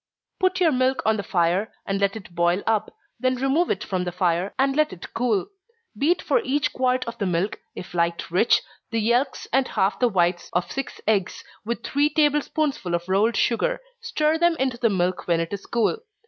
_ Put your milk on the fire, and let it boil up then remove it from the fire, and let it cool. Beat for each quart of the milk, if liked rich, the yelks and half the whites of six eggs, with three table spoonsful of rolled sugar stir them into the milk when it is cool.